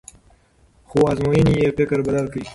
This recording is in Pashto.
خو ازموینې یې فکر بدل کړ.